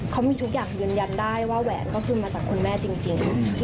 เขามีทุกอย่างยืนยันได้ว่าแหวนก็คือมาจากคุณแม่จริง